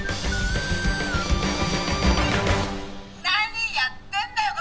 「何やってんだよ